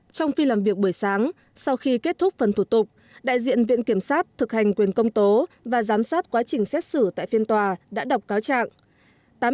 trong phi làm việc buổi sáng sau khi kết thúc phần thủ tục đại diện viện kiểm sát thực hành quyền công tố và giám sát quá trình xét xử tại phiên tòa đã đọc cáo trạng